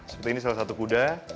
seperti ini salah satu kuda